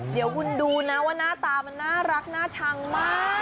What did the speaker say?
เดี๋ยวคุณดูนะว่าหน้าตามันน่ารักน่าชังมาก